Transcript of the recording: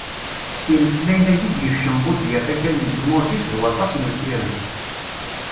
S yimeslayen-agi i d-yekcem Budyaf akal n tmurt-is d waṭas n usirem.